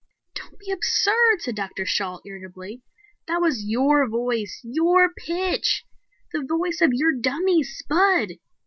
"Don't be absurd," said Dr. Shalt, irritably. "That was your voice, your pitch. The voice of your dummy, Spud."